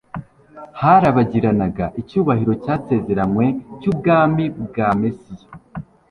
harabagiranaga icyubahiro cyasezeranywe cy'ubwami bwa Mesiya.